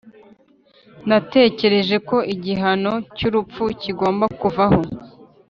natekereje ko igihano cyurupfu kigomba kuvaho.